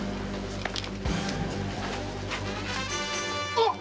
あっ！